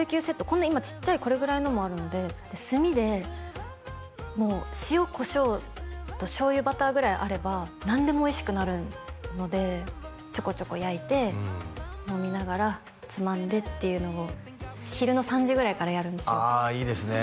こんな今ちっちゃいこれぐらいのもあるのでで炭でもう塩こしょうと醤油バターぐらいあれば何でもおいしくなるのでちょこちょこ焼いて飲みながらつまんでっていうのを昼の３時ぐらいからやるんですよああいいですね